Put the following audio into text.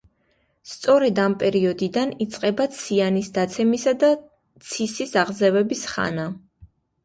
სწორედ ამ პერიოდიდან იწყება ციანის დაცემისა და ცისის აღზევების ხანა.